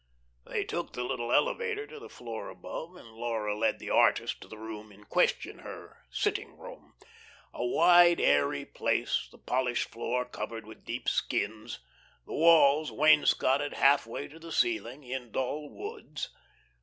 They took the little elevator to the floor above, and Laura led the artist to the room in question her "sitting room," a wide, airy place, the polished floor covered with deep skins, the walls wainscotted half way to the ceiling, in dull woods.